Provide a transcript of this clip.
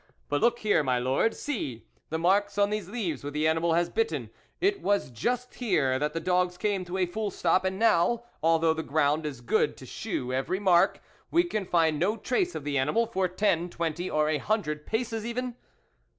But look here, my Lord, see, the marks on these leaves where the animal has bitten ; it was just here that the dogs , 22 THE WOLF LEADER came to a full stop, and now, although the ground is good to shew every mark, we can find no trace of the animal, for ten, twenty, or a hundred paces even